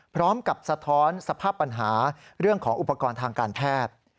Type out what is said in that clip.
สะท้อนสภาพปัญหาเรื่องของอุปกรณ์ทางการแพทย์